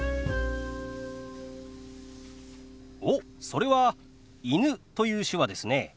おっそれは「犬」という手話ですね。